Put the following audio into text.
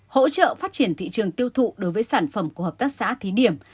hỗ trợ phát triển thị trường tiêu thụ đối với sản phẩm của hợp tác xã thí điểm